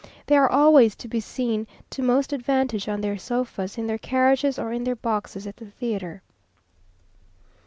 They are always to be seen to most advantage on their sofas, in their carriages, or in their boxes at the theatre.